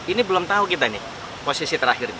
ini belum tahu kita nih posisi terakhirnya